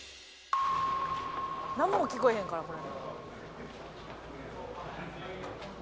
「なんも聞こえへんからこれ」